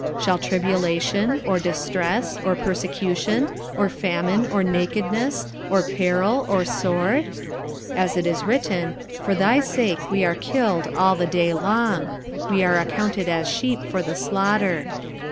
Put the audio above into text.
shall tribulation, or distress, or persecution, or famine, or nakedness, or peril, or sword? 45:008:036 As it is written, For thy sake we are killed all the day long; we are accounted as sheep for the slaughter.